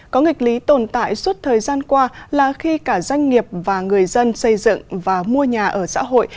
có nghịch lý tồn tại suốt thời gian qua là khi cả doanh nghiệp và người dân xây dựng và mua nhà ở xã hội